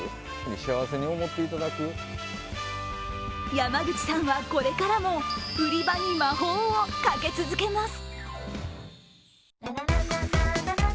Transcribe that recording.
山口さんは、これからも売り場に魔法をかけ続けます。